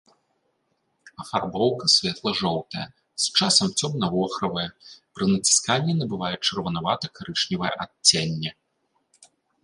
Афарбоўка светла-жоўтая, з часам цёмна-вохравая, пры націсканні набывае чырванавата-карычневае адценне.